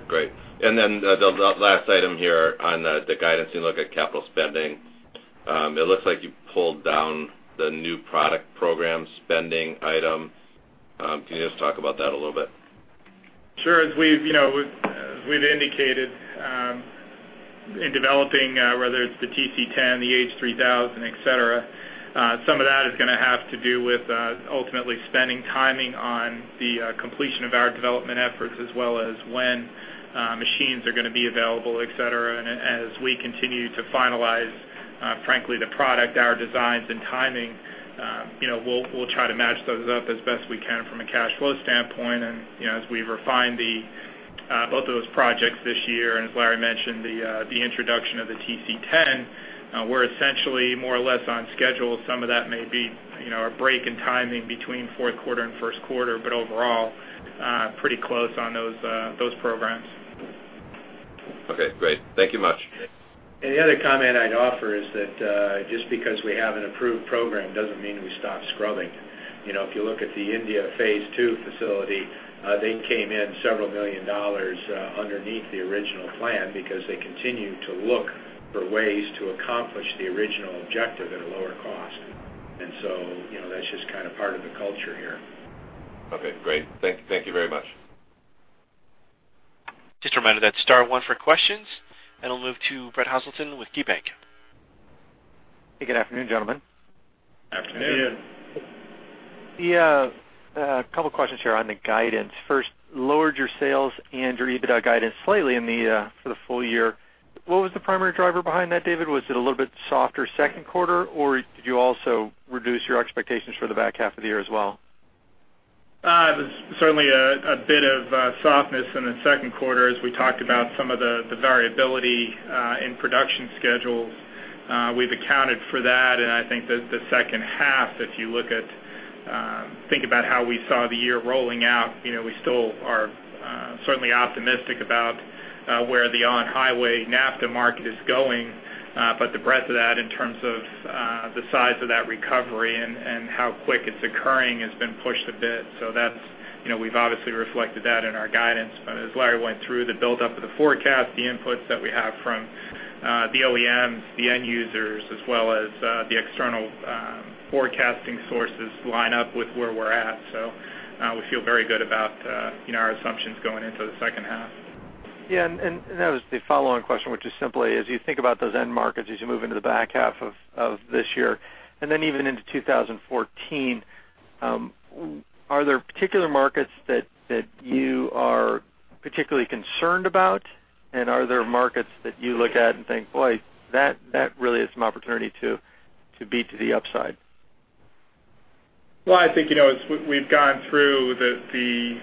Great. And then the last item here on the guidance, you look at capital spending. It looks like you pulled down the new product program spending item. Can you just talk about that a little bit? ... Sure, as we've indicated, you know, in developing whether it's the TC-10, the H3000, et cetera, some of that is gonna have to do with ultimately spending timing on the completion of our development efforts, as well as when machines are gonna be available, et cetera. And as we continue to finalize, frankly, the product, our designs, and timing, you know, we'll try to match those up as best we can from a cash flow standpoint. And, you know, as we refine both of those projects this year, and as Larry mentioned, the introduction of the TC-10, we're essentially more or less on schedule. Some of that may be, you know, a break in timing between fourth quarter and first quarter, but overall, pretty close on those programs. Okay, great. Thank you much. The other comment I'd offer is that, just because we have an approved program, doesn't mean we stop scrubbing. You know, if you look at the India Phase 2 facility, they came in $several million underneath the original plan because they continued to look for ways to accomplish the original objective at a lower cost. And so, you know, that's just kind of part of the culture here. Okay, great. Thank you very much. Just a reminder, that's star one for questions, and we'll move to Brett Hoselton with KeyBanc. Hey, good afternoon, gentlemen. Afternoon. Good afternoon. Yeah, a couple questions here on the guidance. First, lowered your sales and your EBITDA guidance slightly for the full year. What was the primary driver behind that, David? Was it a little bit softer Second Quarter, or did you also reduce your expectations for the back half of the year as well? There's certainly a bit of softness in the Second Quarter as we talked about some of the variability in production schedules. We've accounted for that, and I think the second half, if you think about how we saw the year rolling out, you know, we still are certainly optimistic about where the on-highway NAFTA market is going. But the breadth of that in terms of the size of that recovery and how quick it's occurring has been pushed a bit. So that's, you know, we've obviously reflected that in our guidance. But as Larry went through the buildup of the forecast, the inputs that we have from the OEMs, the end users, as well as the external forecasting sources line up with where we're at. We feel very good about, you know, our assumptions going into the second half. Yeah, and that was the follow-on question, which is simply, as you think about those end markets, as you move into the back half of this year, and then even into 2014, are there particular markets that you are particularly concerned about? And are there markets that you look at and think, "Boy, that really is some opportunity to be to the upside? Well, I think, you know, as we've gone through the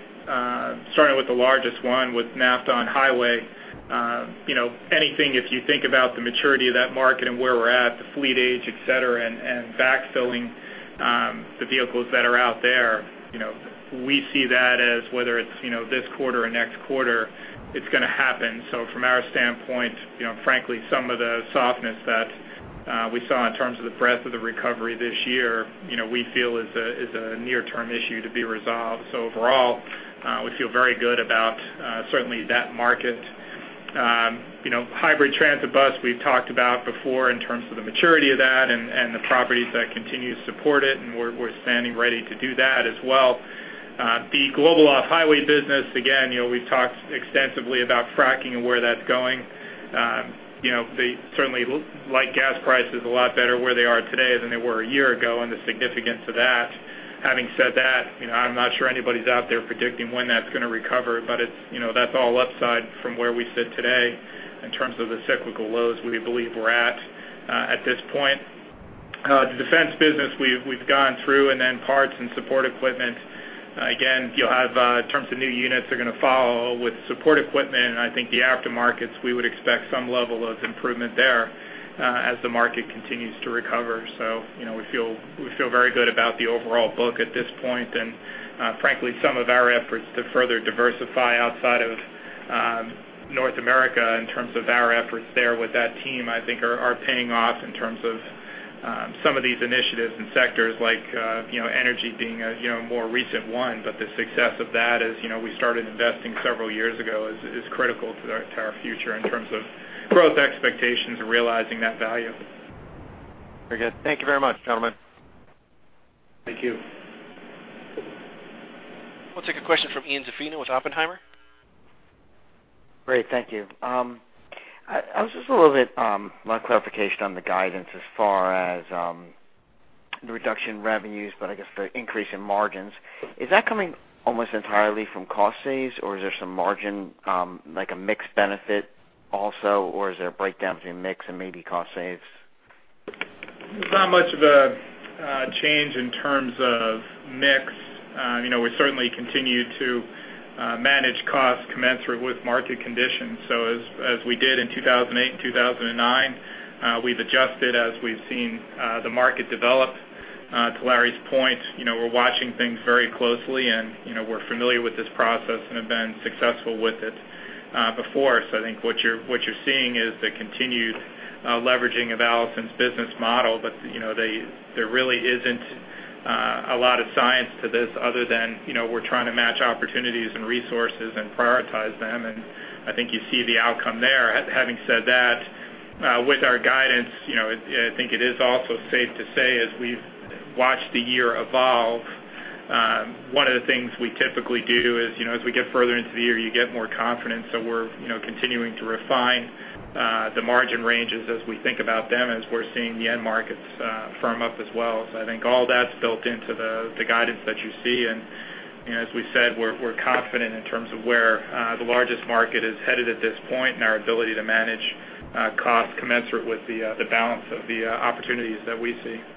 starting with the largest one, with NAFTA on highway, you know, anything, if you think about the maturity of that market and where we're at, the fleet age, et cetera, and backfilling the vehicles that are out there, you know, we see that as whether it's, you know, this quarter or next quarter, it's gonna happen. So from our standpoint, you know, frankly, some of the softness that we saw in terms of the breadth of the recovery this year, you know, we feel is a near-term issue to be resolved. So overall, we feel very good about certainly that market. You know, hybrid transit bus, we've talked about before in terms of the maturity of that and the properties that continue to support it, and we're standing ready to do that as well. The global off-highway business, again, you know, we've talked extensively about fracking and where that's going. You know, they certainly like gas prices a lot better where they are today than they were a year ago, and the significance of that. Having said that, you know, I'm not sure anybody's out there predicting when that's gonna recover, but it's, you know, that's all upside from where we sit today in terms of the cyclical lows we believe we're at, at this point. The defense business, we've gone through, and then parts and support equipment. Again, you'll have, in terms of new units are gonna follow with support equipment, and I think the aftermarkets, we would expect some level of improvement there, as the market continues to recover. So, you know, we feel very good about the overall book at this point. And, frankly, some of our efforts to further diversify outside of North America in terms of our efforts there with that team, I think are paying off in terms of some of these initiatives and sectors like, you know, energy being a, you know, a more recent one. But the success of that is, you know, we started investing several years ago, is critical to our future in terms of growth expectations and realizing that value. Very good. Thank you very much, gentlemen. Thank you. We'll take a question from Ian Zaffino with Oppenheimer. Great, thank you. I was just a little bit lot of clarification on the guidance as far as the reduction in revenues, but I guess the increase in margins. Is that coming almost entirely from cost saves, or is there some margin like a mixed benefit also, or is there a breakdown between mix and maybe cost saves? There's not much of a change in terms of mix. You know, we certainly continue to manage costs commensurate with market conditions. So as we did in 2008 and 2009, we've adjusted as we've seen the market develop. To Larry's point, you know, we're watching things very closely, and, you know, we're familiar with this process and have been successful with it before. So I think what you're seeing is the continued leveraging of Allison's business model. But, you know, there really isn't a lot of science to this other than, you know, we're trying to match opportunities and resources and prioritize them, and I think you see the outcome there. Having said that, With our guidance, you know, I think it is also safe to say, as we've watched the year evolve, one of the things we typically do is, you know, as we get further into the year, you get more confident. So we're, you know, continuing to refine the margin ranges as we think about them, as we're seeing the end markets firm up as well. So I think all that's built into the guidance that you see. And, you know, as we said, we're confident in terms of where the largest market is headed at this point, and our ability to manage costs commensurate with the balance of the opportunities that we see. Okay.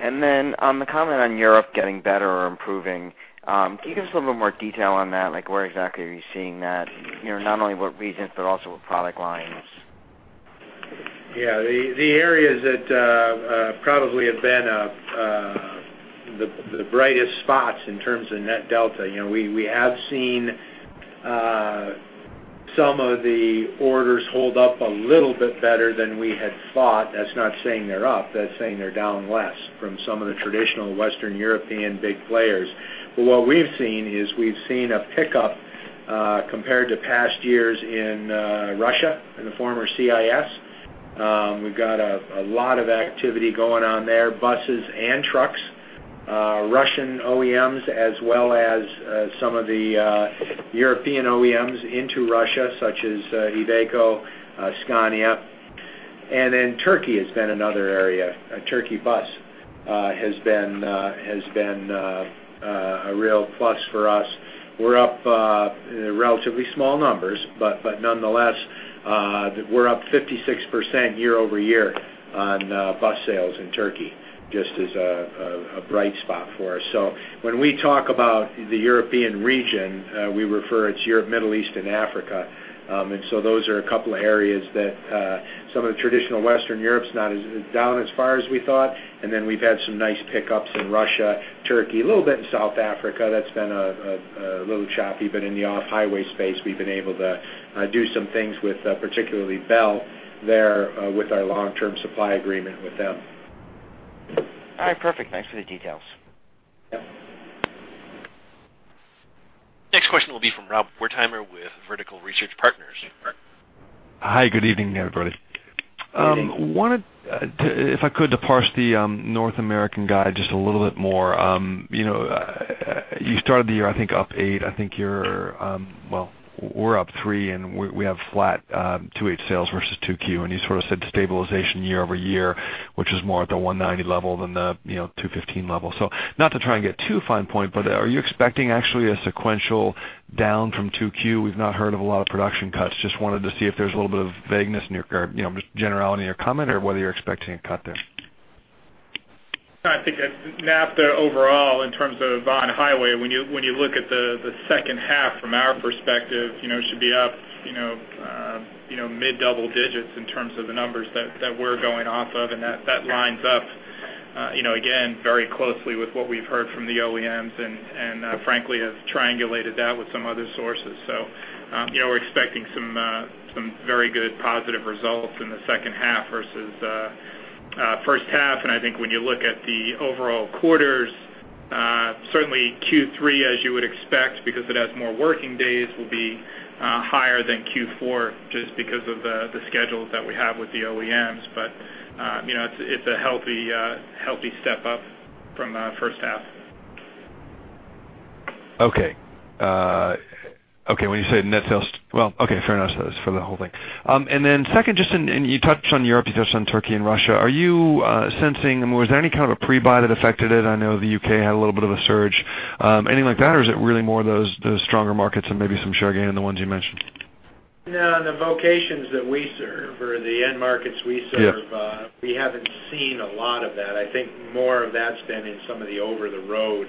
And then on the comment on Europe getting better or improving, can you give us a little bit more detail on that? Like, where exactly are you seeing that? You know, not only what regions, but also what product lines. Yeah, the areas that probably have been the brightest spots in terms of net delta, you know, we have seen some of the orders hold up a little bit better than we had thought. That's not saying they're up, that's saying they're down less from some of the traditional Western European big players. But what we've seen is we've seen a pickup compared to past years in Russia and the former CIS. We've got a lot of activity going on there, buses and trucks. Russian OEMs, as well as some of the European OEMs into Russia, such as Iveco, Scania, and then Turkey has been another area. A Turkey bus has been a real plus for us. We're up in relatively small numbers, but nonetheless, we're up 56% YoY on bus sales in Turkey, just as a bright spot for us. So when we talk about the European region, we refer it to Europe, Middle East, and Africa. And so those are a couple of areas that some of the traditional Western Europe is not as down as far as we thought, and then we've had some nice pickups in Russia, Turkey, a little bit in South Africa. That's been a little choppy, but in the off-highway space, we've been able to do some things with particularly Bell there with our long-term supply agreement with them. All right, perfect. Thanks for the details. Yep. Next question will be from Rob Wertheimer with Vertical Research Partners. Hi, good evening, everybody. Good evening. Wanted to, if I could, to parse the North American guide just a little bit more. You know, you started the year, I think, up 8. I think you're, well, we're up 3, and we have flat 2-8 sales versus 2Q. And you sort of said stabilization year over year, which is more at the 190 level than the, you know, 215 level. So not to try and get too fine point, but are you expecting actually a sequential down from 2Q? We've not heard of a lot of production cuts. Just wanted to see if there's a little bit of vagueness in your, or, you know, just generality in your comment, or whether you're expecting a cut there. No, I think that NAFTA overall, in terms of on highway, when you look at the second half, from our perspective, you know, mid-double digits in terms of the numbers that we're going off of, and that lines up, you know, again, very closely with what we've heard from the OEMs, and frankly, have triangulated that with some other sources. So, you know, we're expecting some very good positive results in the second half versus first half. And I think when you look at the overall quarters, certainly Q3, as you would expect, because it has more working days, will be higher than Q4, just because of the schedules that we have with the OEMs. But you know, it's a healthy step up from first half. Okay. Okay, when you say net sales... Well, okay, fair enough. That's for the whole thing. And then second, just and you touched on Europe, you touched on Turkey and Russia. Are you sensing, or was there any kind of a pre-buy that affected it? I know the UK had a little bit of a surge. Anything like that, or is it really more those, those stronger markets and maybe some share gain in the ones you mentioned? No, the vocations that we serve or the end markets we serve- Yes... we haven't seen a lot of that. I think more of that's been in some of the over-the-road,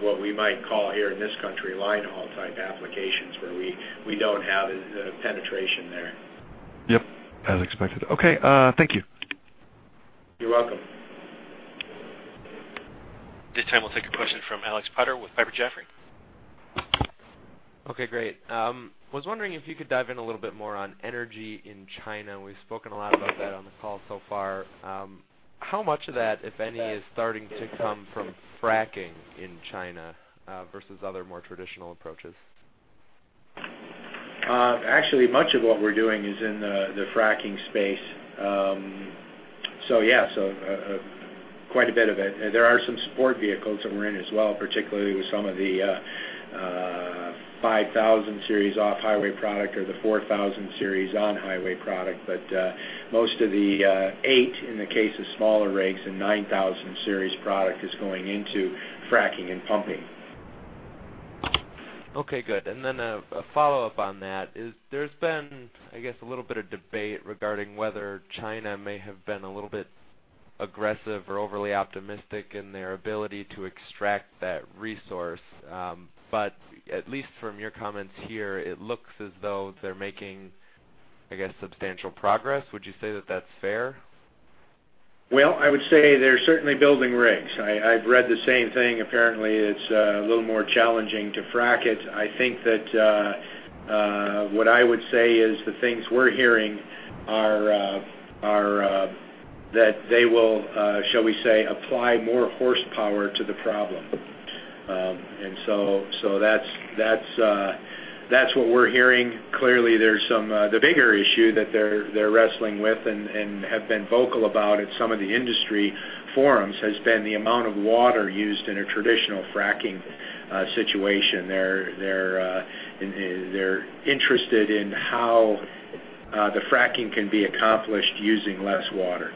what we might call here in this country, line haul type applications, where we, we don't have the penetration there. Yep, as expected. Okay, thank you. You're welcome. This time, we'll take a question from Alex Potter with Piper Jaffray. Okay, great. Was wondering if you could dive in a little bit more on energy in China. We've spoken a lot about that on the call so far. How much of that, if any, is starting to come from fracking in China, versus other more traditional approaches? Actually, much of what we're doing is in the fracking space. So yeah, quite a bit of it. There are some support vehicles that we're in as well, particularly with some of the 5000 Series off-highway product or the 4000 Series on-highway product. But most of the 8000 in the case of smaller rigs and 9000 Series product is going into fracking and pumping. Okay, good. And then a follow-up on that is, there's been, I guess, a little bit of debate regarding whether China may have been a little bit aggressive or overly optimistic in their ability to extract that resource. But at least from your comments here, it looks as though they're making, I guess, substantial progress. Would you say that that's fair? Well, I would say they're certainly building rigs. I've read the same thing. Apparently, it's a little more challenging to frack it. I think that what I would say is the things we're hearing are that they will, shall we say, apply more horsepower to the problem. And so that's what we're hearing. Clearly, there's some the bigger issue that they're wrestling with and have been vocal about at some of the industry forums has been the amount of water used in a traditional fracking situation. They're interested in how the fracking can be accomplished using less water.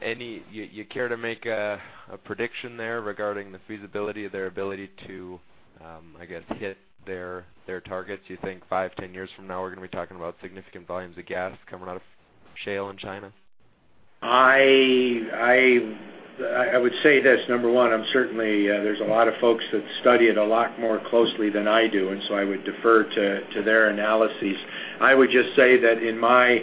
Any, you care to make a prediction there regarding the feasibility of their ability to, I guess, hit their targets? Do you think 5, 10 years from now, we're gonna be talking about significant volumes of gas coming out of shale in China? I would say this, number one, I'm certainly, there's a lot of folks that study it a lot more closely than I do, and so I would defer to their analyses. I would just say that in my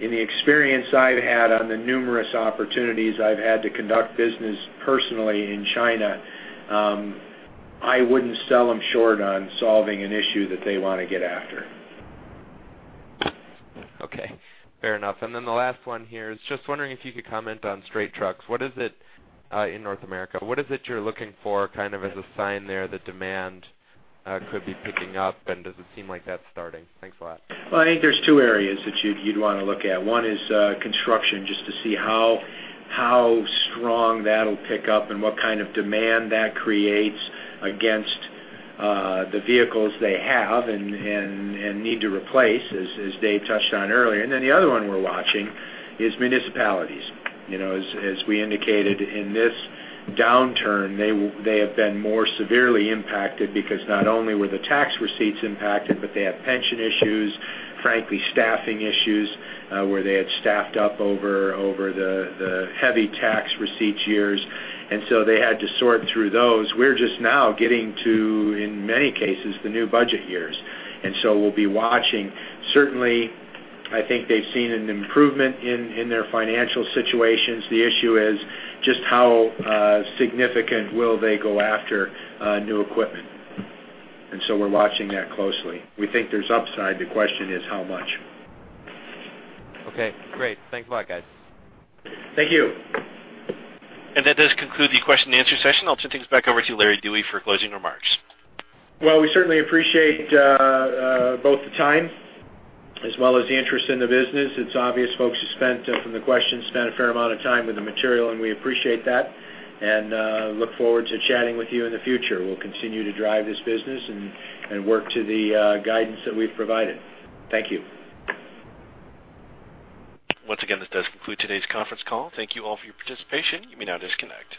experience I've had on the numerous opportunities I've had to conduct business personally in China, I wouldn't sell them short on solving an issue that they wanna get after. Okay, fair enough. And then the last one here is just wondering if you could comment on straight trucks. What is it in North America? What is it you're looking for, kind of, as a sign there that demand could be picking up, and does it seem like that's starting? Thanks a lot. Well, I think there's two areas that you'd wanna look at. One is construction, just to see how strong that'll pick up and what kind of demand that creates against the vehicles they have and need to replace, as Dave touched on earlier. And then the other one we're watching is municipalities. You know, as we indicated in this downturn, they have been more severely impacted because not only were the tax receipts impacted, but they have pension issues, frankly, staffing issues, where they had staffed up over the heavy tax receipts years, and so they had to sort through those. We're just now getting to, in many cases, the new budget years, and so we'll be watching. Certainly, I think they've seen an improvement in their financial situations. The issue is just how significant will they go after new equipment? And so we're watching that closely. We think there's upside. The question is, how much? Okay, great. Thanks a lot, guys. Thank you. That does conclude the question and answer session. I'll turn things back over to Larry Dewey for closing remarks. Well, we certainly appreciate both the time as well as the interest in the business. It's obvious folks have spent, from the questions, spent a fair amount of time with the material, and we appreciate that, and look forward to chatting with you in the future. We'll continue to drive this business and work to the guidance that we've provided. Thank you. Once again, this does conclude today's conference call. Thank you all for your participation. You may now disconnect.